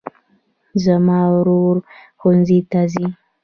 زما ورور ښوونځي ته ځي